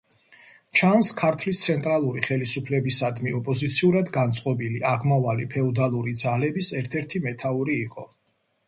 ჩანს, ქართლის ცენტრალური ხელისუფლებისადმი ოპოზიციურად განწყობილი, აღმავალი ფეოდალური ძალების ერთ-ერთი მეთაური იყო.